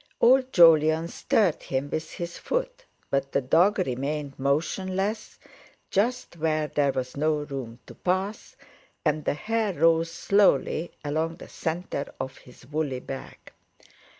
Old Jolyon stirred him with his foot, but the dog remained motionless, just where there was no room to pass, and the hair rose slowly along the centre of his woolly back.